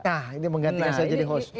nah ini mengganti saya jadi host